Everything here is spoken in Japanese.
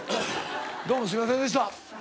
どうもすいませんでした。